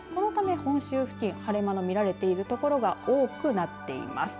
本州付近、晴れ間が見られている所が多くなっています。